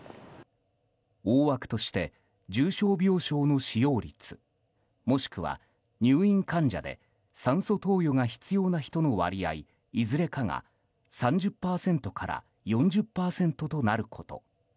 大枠として重症病床の使用率もしくは入院患者で酸素投与が必要な人の割合いずれかが３０％から４０％となること。